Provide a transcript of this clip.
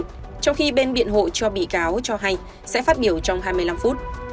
trong khi bên biện hộ cho bị cáo cho hay sẽ phát biểu trong hai mươi năm phút